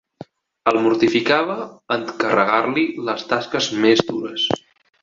El mortificava encarregant-li les tasques més dures.